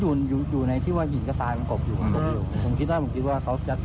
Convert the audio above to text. พอก่อนเดี๋ยวให้รอดเจ้าสิเข้ามา